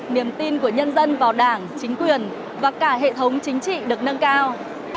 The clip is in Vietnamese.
niềm tin của nhân dân vào đảng chính quyền và cả hệ thống chính trị được nâng cao